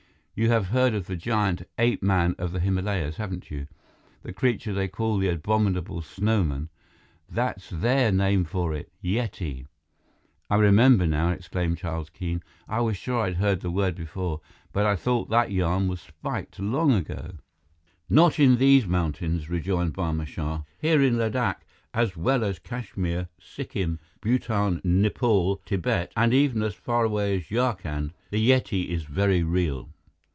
You have heard of the giant ape man of the Himalayas, haven't you? The creature they call the Abominable Snowman? That's their name for it: Yeti " "I remember now!" exclaimed Charles Keene. "I was sure I'd heard the word before. But I thought that yarn was spiked long ago." "Not in these mountains," rejoined Barma Shah. "Here in Ladakh, as well as Kashmir, Sikkim, Bhutan, Nepal, Tibet, and even as far away as Yarkand, the Yeti is very real.